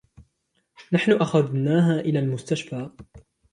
نحن أخذناها إلي المستشفي.